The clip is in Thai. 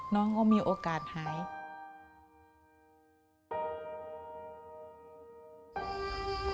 พ่อลูกรู้สึกปวดหัวมาก